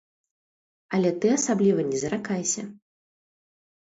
Але ты асабліва не заракайся.